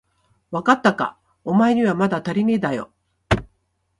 わかったか、おまえにはまだたりねえだよ。